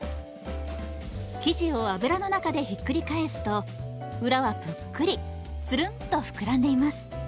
生地を油の中でひっくり返すと裏はぷっくりつるんとふくらんでいます。